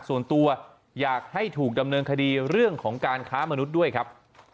ส่วนตัวอยากให้ถูกดำเนินคดีเรื่องของการค้ามนุษย์ด้วยครับ